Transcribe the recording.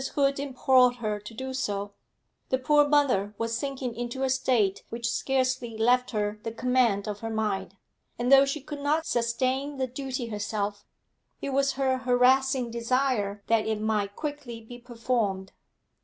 Hood implored her to do so; the poor mother was sinking into a state which scarcely left her the command of her mind, and, though she could not sustain the duty herself, it was her harassing desire that it might quickly be performed.